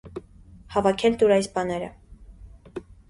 Հավաքել տուր այս բաները: